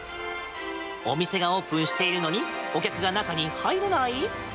お店がオープンしてるのにお客が中に入らない？